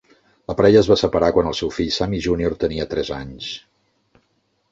La parella es va separar quan el seu fill Sammy Junior tenia tres anys.